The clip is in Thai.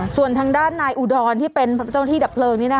ส่วนทางด้านนายอุดรที่เป็นต้องที่ดับเปลืองนี่นะฮะ